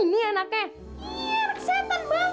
mendingan kalian gantiin pampersnya dia oke